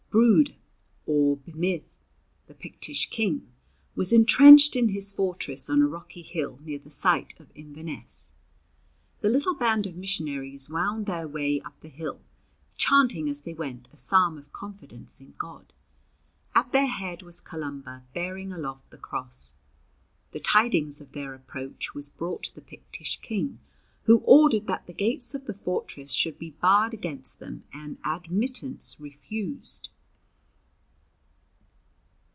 Brude or Bmidh, the Pictish King, was entrenched in his fortress on a rocky hill near the site of Inverness. The little band of missionaries wound their way up the hill, chanting as they went a psalm of confidence in God. At their head was Columba, bearing aloft the cross. The tidings of their approach was brought to the Pictish King, who ordered that the gates of the fortress should be barred against them and admittance refused.